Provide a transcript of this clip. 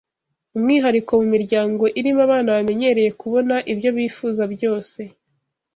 umwihariko mu miryango irimo abana bamenyereye kubona ibyo bifuza byose